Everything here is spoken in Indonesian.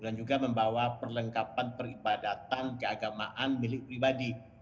dan juga membawa perlengkapan peribadatan keagamaan milik pribadi